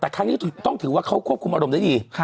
แต่ครั้งนี้ต้องถือว่าเขาควบคุมอารมณ์ได้ดี